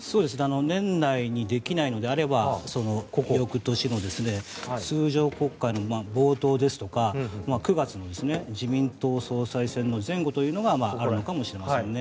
年内にできないのであれば翌年の通常国会の冒頭ですとか９月の自民党総裁戦の前後というのがあるのかもしれませんね。